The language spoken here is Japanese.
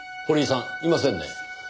堀井さんいませんね。